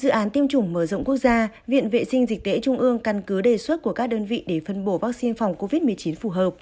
dự án tiêm chủng mở rộng quốc gia viện vệ sinh dịch tễ trung ương căn cứ đề xuất của các đơn vị để phân bổ vaccine phòng covid một mươi chín phù hợp